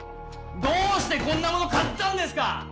・どうしてこんなもの買ったんですか！